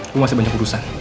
gua masih banyak urusan